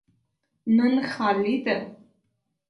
نن خالي ده.